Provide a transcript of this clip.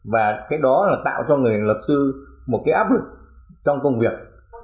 và cái đó là tạo cho người luật sư một cái áp lực trong công việc